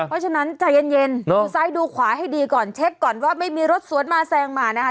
เพราะฉะนั้นใจเย็นดูซ้ายดูขวาให้ดีก่อนเช็คก่อนว่าไม่มีรถสวนมาแซงมานะคะ